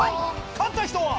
勝った人は。